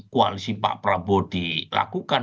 koalisi pak prabowo dilakukan